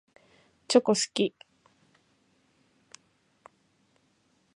チョコ好き。